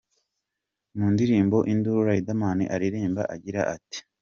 Mu ndirimbo”Induru” Riderman aririmba agira ati “….